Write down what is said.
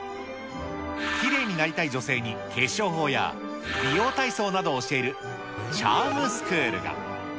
きれいになりたい女性に化粧法や美容体操などを教えるチャームスクールが。